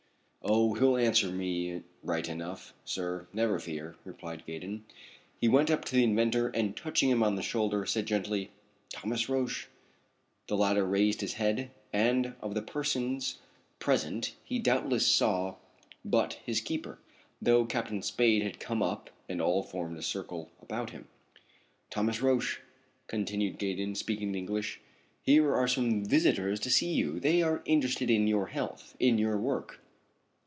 "Oh! he'll answer me right enough, sir, never fear," replied Gaydon. He went up to the inventor and touching him on the shoulder, said gently: "Thomas Roch!" The latter raised his head, and of the persons present he doubtless saw but his keeper, though Captain Spade had come up and all formed a circle about him. "Thomas Roch," continued Gaydon, speaking in English, "here are some visitors to see you. They are interested in your health in your work."